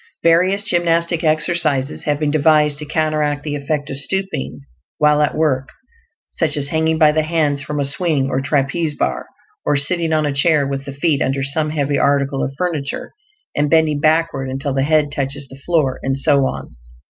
Various gymnastic exercises have been devised to counteract the effect of stooping while at work; such as hanging by the hands from a swing or trapeze bar, or sitting on a chair with the feet under some heavy article of furniture and bending backward until the head touches the floor, and so on.